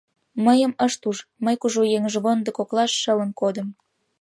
Мыйым ышт уж: мый кужу эҥыжвондо коклаш шылын кодым.